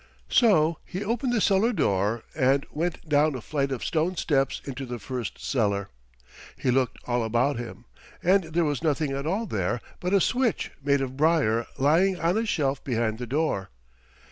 So he opened the cellar door and went down a flight of stone steps into the first cellar. He looked all about him, and there was nothing at all there but a switch made of brier lying on a shelf behind the door.